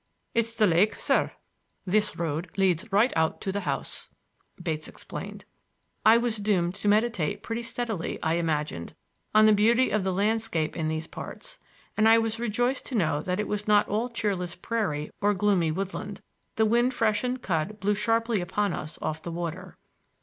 "It's the lake, sir. This road leads right out to the house," Bates explained. I was doomed to meditate pretty steadily, I imagined, on the beauty of the landscape in these parts, and I was rejoiced to know that it was not all cheerless prairie or gloomy woodland. The wind freshened cud blew sharply upon us off the water.